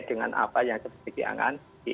dengan apa yang kepentingan